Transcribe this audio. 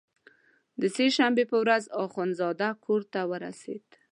د سې شنبې په ورځ اخندزاده کورته ورسېد.